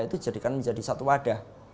itu dijadikan menjadi satu wadah